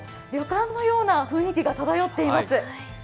旅館のような雰囲気が漂っています。